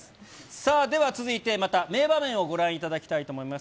さあ、では続いて、また名場面をご覧いただきたいと思います。